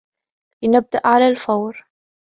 لنبدأ على الفور.